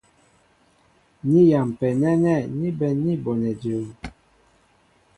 Ni yampɛ nɛ́nɛ́ ní bɛ̌n ní bonɛ jə̄ə̄.